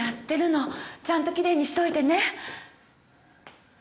ちゃんときれいにしておいてね。